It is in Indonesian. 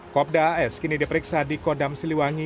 kopda as kini diperiksa di kodam siliwangi